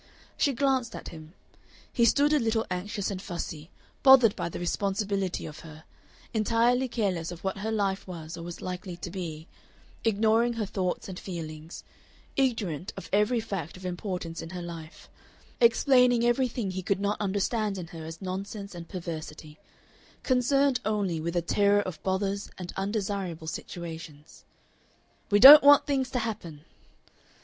She glanced at him. He stood a little anxious and fussy, bothered by the responsibility of her, entirely careless of what her life was or was likely to be, ignoring her thoughts and feelings, ignorant of every fact of importance in her life, explaining everything he could not understand in her as nonsense and perversity, concerned only with a terror of bothers and undesirable situations. "We don't want things to happen!"